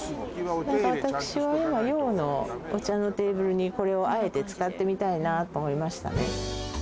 何か私は今洋のお茶のテーブルにこれをあえて使ってみたいなと思いましたね